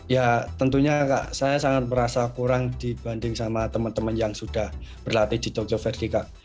ya tentunya kak saya sangat merasa kurang dibanding sama temen temen yang sudah berlatih di tokyo verde kak